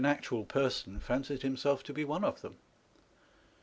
actual person fancied himself to be one of them.